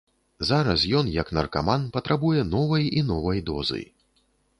Зараз ён, як наркаман, патрабуе новай і новай дозы.